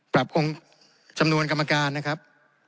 คงจำนวนกรรมการนะครับ